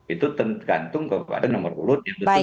itu tergantung kepada nomor kulut